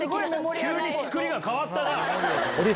急に作りが変わったな。